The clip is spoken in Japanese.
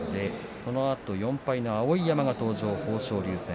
そのあと４敗の碧山が登場して豊昇龍戦。